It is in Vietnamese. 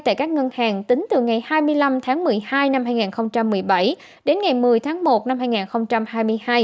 tại các ngân hàng tính từ ngày hai mươi năm tháng một mươi hai năm hai nghìn một mươi bảy đến ngày một mươi tháng một năm hai nghìn hai mươi hai